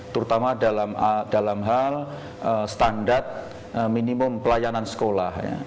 terutama dalam hal standar minimum pelayanan sekolah